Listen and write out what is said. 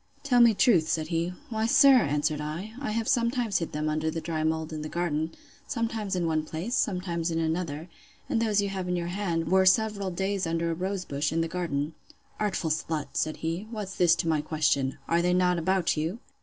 Tell me truth, said he. Why, sir, answered I, I have sometimes hid them under the dry mould in the garden; sometimes in one place, sometimes in another; and those you have in your hand, were several days under a rose bush, in the garden. Artful slut! said he, What's this to my question?—Are they not about you?